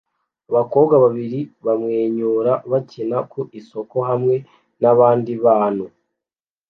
Abakobwa babiri bamwenyura bakina ku isoko hamwe nabandi bantu